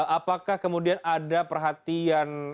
apakah kemudian ada perhatian